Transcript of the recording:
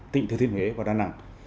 đà nẵng và đà nẵng